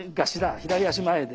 左足前で。